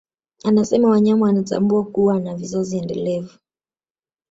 Anasema wanyama wanatambua kuwa na vizazi endelevu